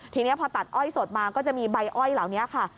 ทีนี้พอตัดอ้อยสดมาก็จะมีใบอ้อยเหล่านี้ค่ะ